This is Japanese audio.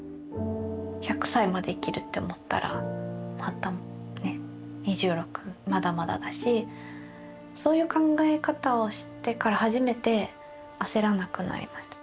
１００歳まで生きるって思ったら２６まだまだだしそういう考え方をしてから初めて焦らなくなりました。